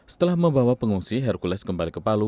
setelah membawa pengungsi hercules kembali ke palu